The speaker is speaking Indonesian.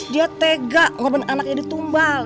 dia tega korban anaknya ditumbal